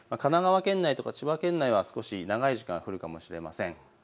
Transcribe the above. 神奈川県内とか千葉県内は少し長い時間降るかもしれません。